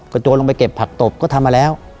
โจรลงไปเก็บผักตบก็ทำมาแล้ว